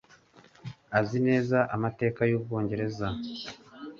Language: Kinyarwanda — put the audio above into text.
Azi neza amateka y'Ubwongereza.